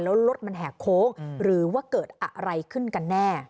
แล้วรถมันแหกโค้งหรือว่าเกิดอะไรขึ้นกันแน่